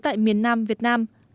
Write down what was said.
tại miền nam việt nam